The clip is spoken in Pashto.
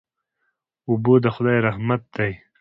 اوبه د خدای رحمت دی.